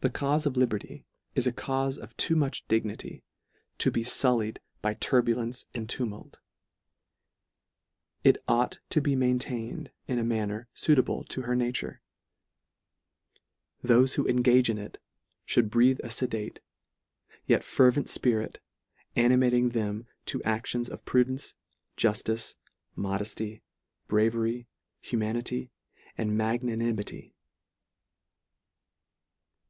The caufe of liberty is a caufe of too much dignity, to be fullied by turbulence I 30 LETTER III. and tumult. It ought to be maintained in a manner fuitable to her nature. Thofe who engage in it, mould breathe a fedate, yet fervent lpirit, animating them to actions of prudence, juftice, modefty, bravery, hu manity, and magnanimity.